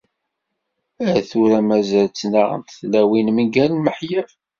Ar tura mazal ttnaɣent tlawin mgal miḥyaf.